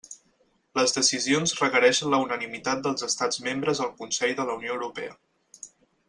Les decisions requereixen la unanimitat dels estats membres al Consell de la Unió Europea.